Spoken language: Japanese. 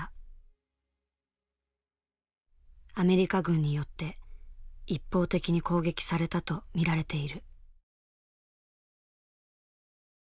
アメリカ軍によって一方的に攻撃されたと見られている。